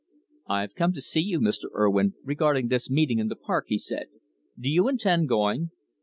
"I've come to see you, Mr. Urwin, regarding this meeting in the park," he said. "Do you intend going?"